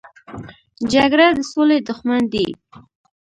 جګړه د سولې دښمن دی